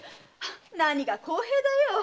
何が公平だよ！